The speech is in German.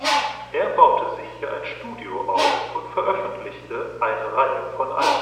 Er baute sich hier ein Studio auf und veröffentlichte eine Reihe von Alben.